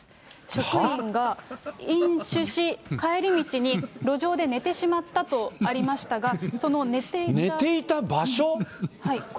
職員が飲酒し、帰り道に路上で寝てしまったとありましたが、その寝ていた。